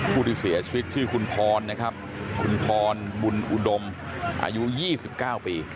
ผู้ที่เสียชีวิตชื่อคุณพรนะครับคุณพรบุญอุดมอายุ๒๙ปี